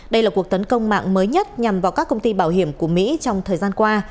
đây là cuộc tấn công mạng mới nhất nhằm vào các công ty bảo hiểm của mỹ trong thời gian qua